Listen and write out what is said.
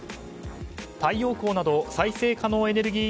太陽光など再生可能エネルギー